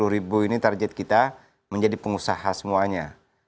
sepuluh ribu ini target kita menjadi pengusaha semuanya